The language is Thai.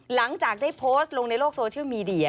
หลังจากได้โพสต์ลงในโลกโซเชียลมีเดีย